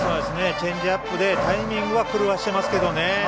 チェンジアップでタイミングは狂わせてますけどね